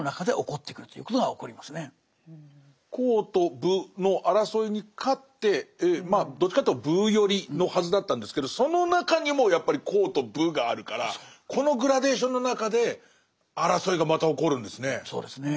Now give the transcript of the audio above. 「公」と「武」の争いに勝ってまあどっちかというと「武」寄りのはずだったんですけどその中にもやっぱり「公」と「武」があるからこのグラデーションの中で争いがまた起こるんですね。